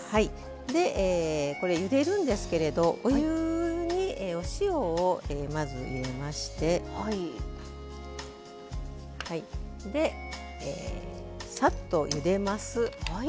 でこれゆでるんですけれどお湯にお塩をまず入れましてでさっとゆでます。